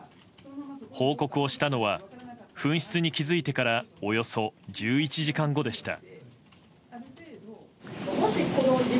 報告をしたのは紛失に気づいてからおよそ１１時間後でした。